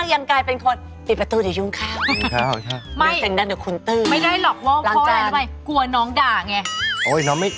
อยู่กับขุนมาก